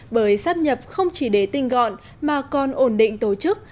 bởi sắp nhập không chỉ để tinh gọn mà còn ổn định tổ chức